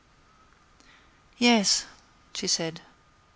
"Yes," she said.